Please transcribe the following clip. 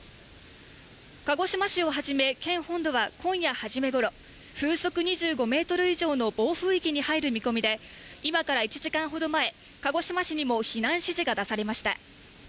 鹿児島市をはじめ、県本土は今夜初めごろ、風速２５メートル以上の暴風域に入る見込みで、今から１時間ほど前、鹿児島市にも避難指示が出されました。